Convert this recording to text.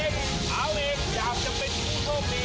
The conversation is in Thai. เอาเองอยากจะเป็นผู้โชคดี